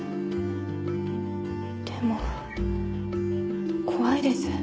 でも怖いです。